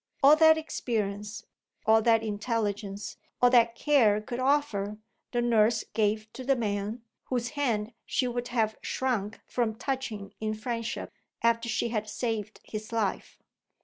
All that experience, all that intelligence, all that care could offer, the nurse gave to the man whose hand she would have shrunk from touching in friendship, after she had saved his life.